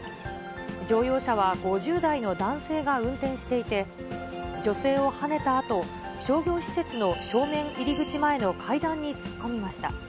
乗用車は５０代の男性が運転していて、女性をはねたあと、商業施設の正面入り口前の階段に突っ込みました。